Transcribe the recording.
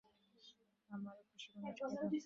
আমি খুশিমনে এটা নেবো।